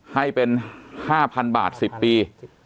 ให้เป็น๕๐๐๐บาท๑๐ปี